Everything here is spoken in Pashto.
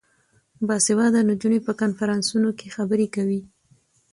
باسواده نجونې په کنفرانسونو کې خبرې کوي.